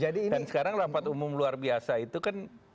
dan sekarang rapat umum luar biasa itu kan